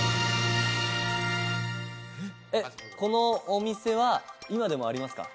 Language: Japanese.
このお店は今でもありますか？